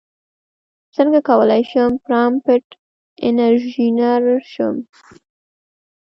څنګه کولی شم پرامپټ انژینر شم